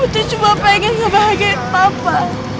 putri cuma pengen ngebahagiain papa